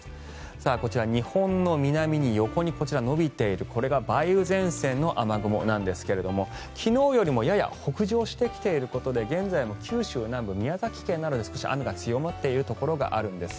こちら、日本の南に横に延びているこれが梅雨前線の雨雲なんですけれども昨日よりもやや北上してきていることで現在も九州南部宮崎県などで少し雨が強まっているところがあるんです。